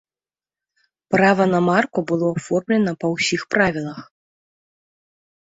Права на марку было аформлена па ўсіх правілах.